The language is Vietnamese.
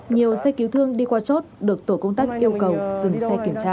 nhiều xe cứu thương đi qua chốt được tổ công tác yêu cầu dừng xe kiểm tra